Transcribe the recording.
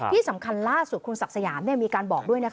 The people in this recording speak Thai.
ที่สำคัญล่าสุดคุณศักดิ์สยามมีการบอกด้วยนะคะ